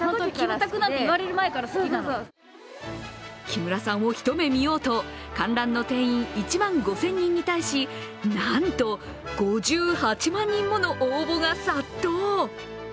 木村さんを一目見ようと、観覧の定員１万５０００人に対し、なんと５８万人もの応募が殺到。